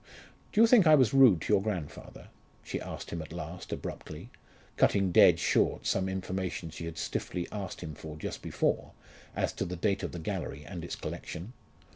"Do you think I was rude to your grandfather?" she asked him at last abruptly, cutting dead short some information she had stiffly asked him for just before, as to the date of the gallery and its collection.